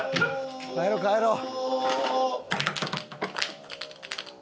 帰ろう帰ろう。